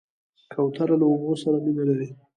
کوتره له اوبو سره مینه لري.